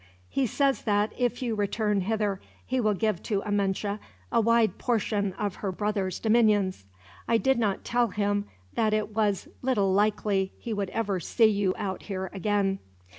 He says that, if you return hither, he will give to Amenche a wide portion of her brother's dominions. I did not tell him that it was little likely he would ever see you out here, again."